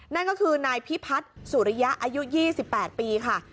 นั่นก็คือนายพิพัฒน์สุริยะอายุ๒๘ปีค่ะ